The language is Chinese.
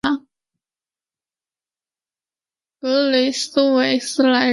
格雷斯维莱人口变化图示